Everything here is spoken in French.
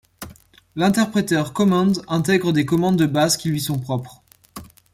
L'interpréteur Command intègre des commandes de base qui lui sont propres.